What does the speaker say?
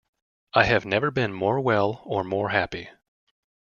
I have never been more well or more happy.